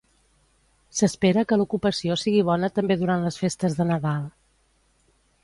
S'espera que l'ocupació sigui bona també durant les festes de Nadal.